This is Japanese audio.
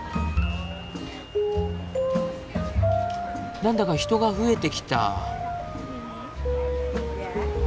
なんだか人が増えてきた。